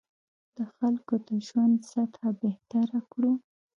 د خلکو د ژوند سطح بهتره کړو.